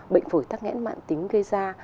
bệnh phổi tắc nghẽn mạng tính gây ra